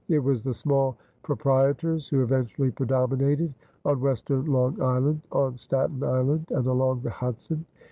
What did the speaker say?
It was the small proprietors who eventually predominated on western Long Island, on Staten Island, and along the Hudson.